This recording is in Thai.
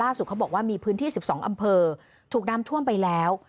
ล่าสุดเขาบอกว่ามีพื้นที่สิบสองอำเภอถูกน้ำท่วมไปแล้ว